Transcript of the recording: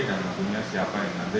dan tentunya siapa yang nanti